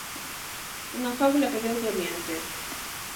Unha fábula que veu de oriente.